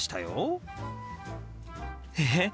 えっ？